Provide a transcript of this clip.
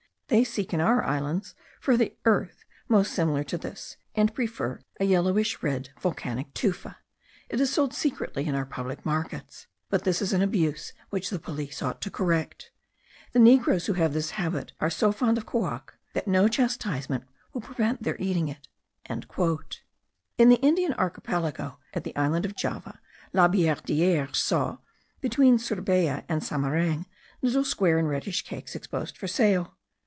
They seek in our islands for the earth most similar to this, and prefer a yellowish red volcanic tufa. It is sold secretly in our public markets; but this is an abuse which the police ought to correct. The negroes who have this habit are so fond of caouac, that no chastisement will prevent their eating it." In the Indian Archipelago, at the island of Java, Labillardiere saw, between Surabaya and Samarang, little square and reddish cakes exposed for sale.